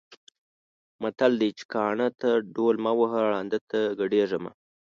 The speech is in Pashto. متل دی چې: کاڼۀ ته ډول مه وهه، ړانده ته ګډېږه مه.